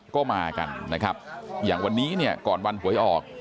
ก็มากันนะครับอย่างวันนี้เนี่ยก่อนวันหวยออก